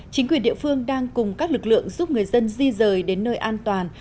chính quyền địa phương đang cùng các lực lượng giúp người dân di rời đến nơi an toàn